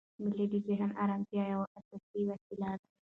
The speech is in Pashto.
مېلې د ذهني ارامتیا یوه اساسي وسیله ده.